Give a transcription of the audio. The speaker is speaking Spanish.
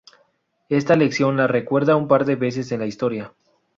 Esta lección la recuerda un par de veces en la historia.